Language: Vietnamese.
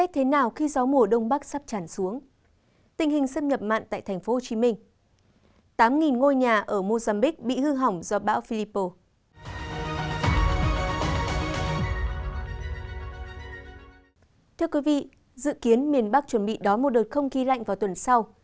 thưa quý vị dự kiến miền bắc chuẩn bị đón một đợt không khí lạnh vào tuần sau